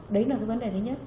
đấy là vấn đề thứ nhất